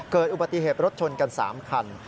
เกิดอุบัติเหตุรถชนกัน๓คัน